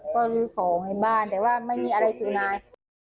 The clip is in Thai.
ก็ขอให้บ้านแต่ว่าไม่มีอะไรสิวนาย